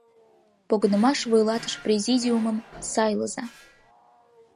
Погынымаш вуйлаташ президиумым сайлыза.